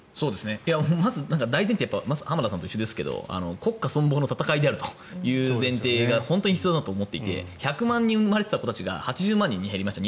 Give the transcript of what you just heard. まず大前提は浜田さんと一緒ですけど国家存亡の戦いであるという前提が必要だと思っていて１００万人生まれていた子どもたちが８０万人に減りました。